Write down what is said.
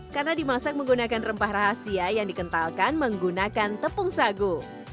karena dimasak menggunakan rempah rahasia yang dikentalkan menggunakan tepung sagu